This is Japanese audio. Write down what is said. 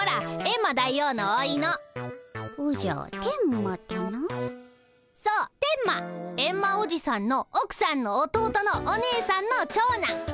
エンマおじさんのおくさんの弟のお姉さんの長男。